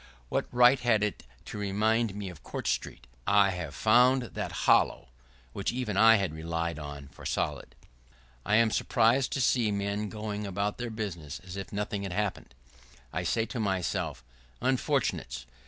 What right had it to remind me of Court Street? I have found that hollow which even I had relied on for solid. [¶47] I am surprised to see men going about their business as if nothing had happened. I say to myself, "Unfortunates!